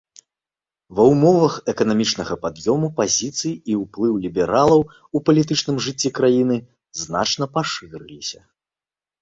Ва ўмовах эканамічнага пад'ёму пазіцыі і ўплыў лібералаў у палітычным жыцці краіны значна пашырыліся.